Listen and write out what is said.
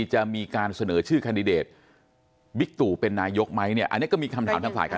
จะมีการเสนอชื่อแคนดิเดตบิ๊กตู่เป็นนายกไหมเนี่ยอันนี้ก็มีคำถามทางฝ่ายการ